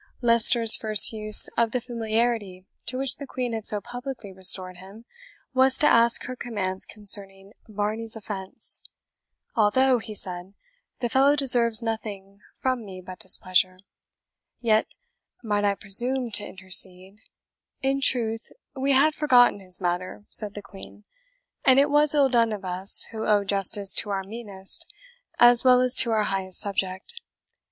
Leicester's first use of the familiarity to which the Queen had so publicly restored him was to ask her commands concerning Varney's offence, "although," he said, "the fellow deserves nothing from me but displeasure, yet, might I presume to intercede " "In truth, we had forgotten his matter," said the Queen; "and it was ill done of us, who owe justice to our meanest as well as to our highest subject.